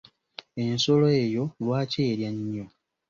Ensolo eyo lwaki erya nnyo?